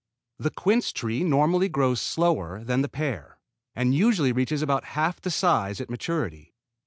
The quince tree normally grows slower than the pear, and usually reaches about half the size at maturity.